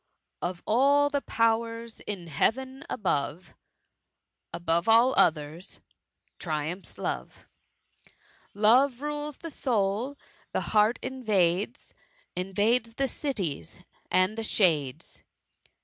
Of all the powers in Hearen above > Above all otherg^ triumphs Love ; Love rules the soul — the heart invades^ Invades the cities and the shades.